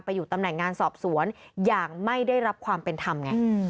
อยู่ตำแหน่งงานสอบสวนอย่างไม่ได้รับความเป็นธรรมไง